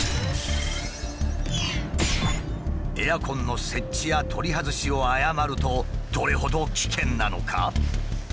エアコンの設置や取り外しを誤るとどれほど危険なのか？